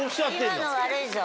今の悪いぞ。